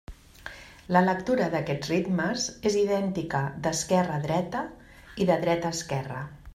La lectura d'aquests ritmes és idèntica d'esquerra a dreta i de dreta a esquerra.